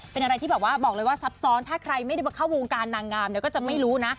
เป็นอะไรที่แบบว่าบอกเลยว่าซับซ้อนถ้าใครไม่ได้มาเข้าวงการนางงามเนี่ยก็จะไม่รู้นะ